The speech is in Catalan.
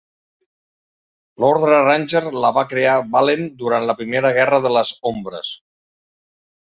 L'ordre Ranger la va crear Valen durant la Primera Guerra de les Ombres.